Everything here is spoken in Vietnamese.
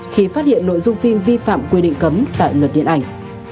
khi phát hiện nội dung phim vi phạm quy định cấm tại luật điện ảnh